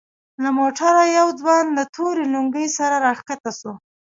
له موټره يو ځوان له تورې لونگۍ سره راکښته سو.